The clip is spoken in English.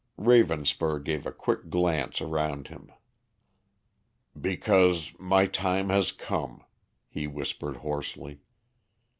Ravenspur gave a quick glance around him. "Because my time has come," he whispered hoarsely.